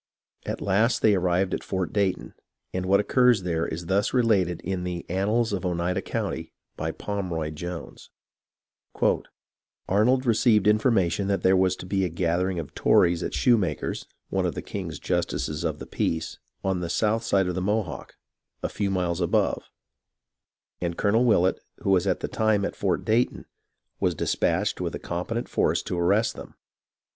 At last they arrived at Fort Dayton, and what occurred there is thus related in the "Annals of Oneida County," by Pomroy Jones :— "Arnold received information that there was to be a gathering of Tories at Shoemaker's, one of the King's Jus tices of the Peace, on the south side of the Mohawk, a few miles above, and Colonel Willett, who was at the time at Fort Dayton, was despatched with a competent force to arrest them.